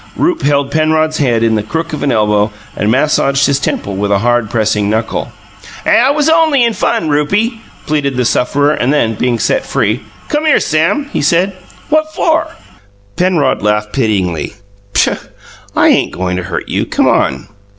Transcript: Rupe held Penrod's head in the crook of an elbow and massaged his temples with a hard pressing knuckle. "I was only in fun, Rupie," pleaded the sufferer, and then, being set free, "Come here, Sam," he said. "What for?" Penrod laughed pityingly. "Pshaw, I ain't goin' to hurt you. Come on."